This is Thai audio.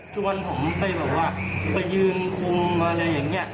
ชวนผมไปแบบว่าไปยืนคุมอะไรอย่างนี้